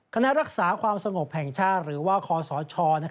คณะรักษาความสงบแห่งชาติหรือว่าคอสช